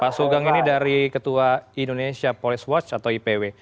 pak sugeng ini dari ketua indonesia police watch atau ipw